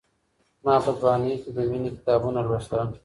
ما په ځوانۍ کي د مينې کتابونه لوستل.